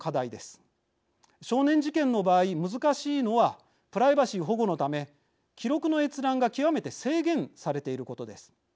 少年事件の場合難しいのはプライバシー保護のため記録の閲覧が極めて制限されていることです。